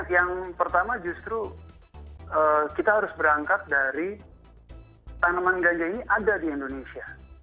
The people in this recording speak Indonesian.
yang pertama justru kita harus berangkat dari tanaman ganja ini ada di indonesia